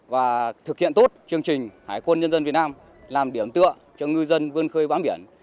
và thực hiện tốt chương trình hải quân nhân dân việt nam làm điểm tượng cho ngư dân vươn khơi bán biển